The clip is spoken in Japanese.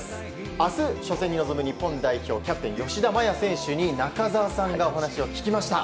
明日、初戦に臨む日本代表キャプテン吉田麻也選手に中澤さんが話を聞きました。